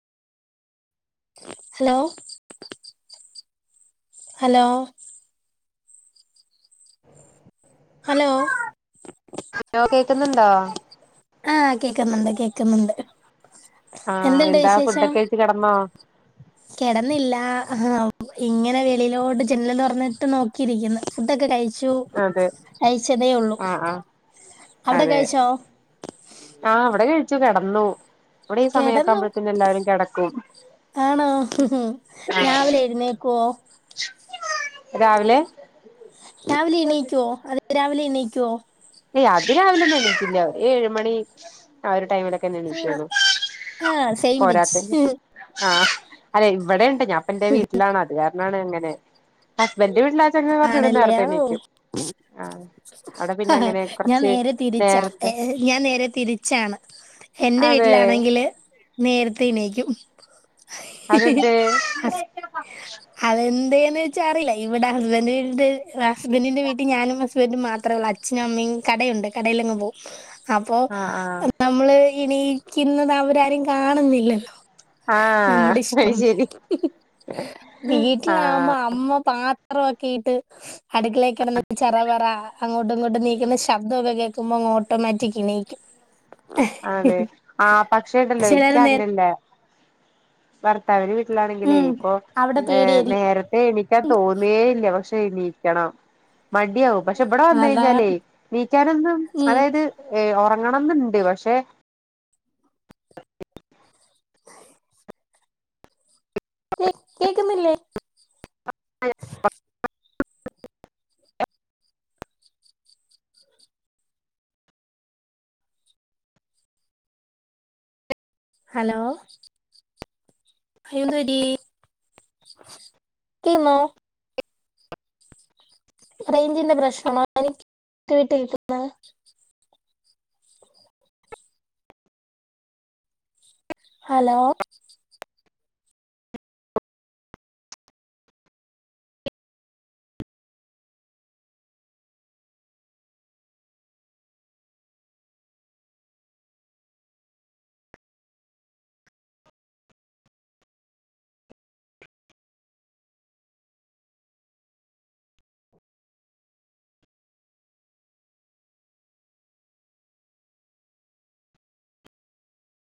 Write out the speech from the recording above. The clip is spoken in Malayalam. ഹലോ ഹലോ ഹലോ ഹലോ കേക്കുന്നുണ്ടോ ആ കേക്കുന്നുണ്ട് കേക്കുന്നുണ്ട് ആഹ് എന്തണ്ട് എന്താ വിശേഷം ഫുഡൊക്കെ കഴിച്ച് കിടന്നോ കിടന്നില്ല ആ ഇങ്ങനെ വെളിയിലോട്ട് ജെനലും തുറന്നിട്ട് നോക്കിയിരിക്കുന്നു ഫുഡൊക്കെ കഴി ച്ചൂ അതെ അയച്ചതേ ഉള്ളൂ ആഹ് ആഹ് അവിടെ അതെ കഴിച്ചോ ആഹ് ഇവിടെ കഴിച്ചു കെടന്നു ഇവിടെ ഈ കിടന്നു സമയക്കമ്പെഴ്ത്തേന് എല്ലാരും കെടക്കും ആണോ രാവിലെ എഴുന്നേക്കുവോ രാവിലെ രാവിലെ ഇണ്ണിക്കുവോ അതി രാവിലെ ഇണ്ണിക്കുവോ ഏ അതിരാവിലൊന്നും എണീക്കില്ല ഏഴുമണി ആ ഒര് ടൈമിലൊക്കെന്ന് ആഹ് എണിക്കക്കൊള്ളു ആഹ് സെയിം പോരാത്തേന് പിച്ച് ആഹ് അല്ലെ ഇവിടെണ്ട് ഞാപ്പന്റെ എന്റെവീട്ടിലാണ് അത് കാരണനാണ് അങ്ങനെ. [unintelligible] കൊറച്ചുടെ ആണല്ലേ നേർത്തെ ഓ എണീക്കും ആ അവിടെ പിന്നെ അഹ അങ്ങനെ കുറച്ച് ഞാൻനേരെതിരിച്ചാ ഏ നേരത്തെ ഞാൻനേരെതിരിച്ചാണ് അതെ എന്റെവീട്ടിലാണെങ്കില് നേരത്തെണീയിക്കും. ഹിഹ്ഹ് അതെന്തേ ഹസ് അതെന്തെയ് [unintelligible] ഹസ്ബന്റിന്റെ വീട്ടിൽ ഞാനും ഹസ്ബന്റുംമാത്രം ത്രോള്ളു അച്ഛനുംഅമ്മയും കടയുണ്ട് കടയിലങ്ങ്പോകും ആഹ് ആഹ് അപ്പോനമ്മള് ണീയിക്കുന്നത് അവരാരുംകാണുന്നില്ലല്ലോ. ആഹ് നമ്മുടെ അത് ഇഷ്ടം ശരി ഹ്ഹ് ആഹ് വീട്ടിലാവുമോബൊ അമ്മ പ റോകീട്ട് അടുക്കളേക്കടന്ന് ചറ വറ അങ്ങോട്ടുംങ്ങോടട്ടും നീ [unintelligible] ശബ്ദോക്കെ കേക്കുമ്പോ മൊ ഓട്ടോമാറ്റിക്ക്ണീയിക്കും അതെ ഹ്ഹ്ഹ് ആഹ് പക്ഷേ ഇണ്ടല്ലോ ചിലർനേര ഭർത്താവിന് വീട്ടിലാണെങ്കിലേ ഉം ഇപ്പൊ അവിടെ പേടിയായിരിക്കും നേരത്തെ എണീക്കാൻ തോന്നേല്ല പക്ഷെ എണീക്കണം മടിയവും അതാ പക്ഷെബവിടെവെന്നയ്ഞാലെയ് നീക്കാനൊന്നും ഉം അതായത് ഒറങ്ങണംന്ന്ണ്ട് പക്ഷെ കേ കേക്കുന്നില്ലേ? [unintelligible] ഹലോ എന്ത് പറ്റി [unintelligible] റേഞ്ചിന്റെ പ്രശ്നമാ [inaudible] ഹലോ